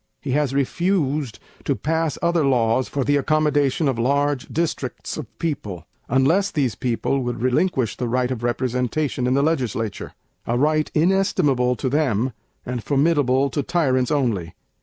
He has refused to pass other Laws for the accommodation of large districts of people, unless those people would relinquish the right of Representation in the Legislature, a right inestimable to them and formidable to tyrants only.